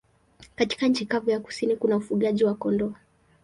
Katika nchi kavu ya kusini kuna ufugaji wa kondoo.